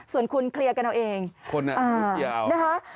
ส่วนคุณเคลียร์กันเอาเองคนน่ะสุดยาว